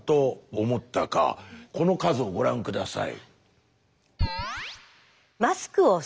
この数をご覧下さい。